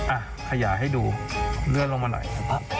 อ่ะขยายให้ดูเลื่อนลงมาหน่อยปั๊บ